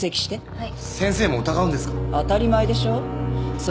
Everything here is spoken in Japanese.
はい。